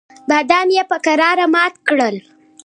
بادام یې په کراره مات کړل.